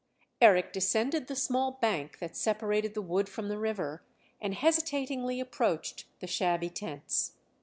Eric descended the small bank that separated the wood from the river and hesitatingly approached the shabby tents.